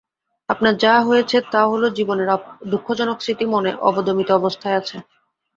আপনার যা হয়েছে টা হল জীবনের দুঃখজনক স্মৃতি মনে অবদমিত অবস্থায় আছে।